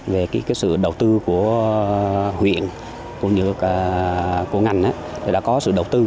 về cái sự đầu tư của huyện của ngành thì đã có sự đầu tư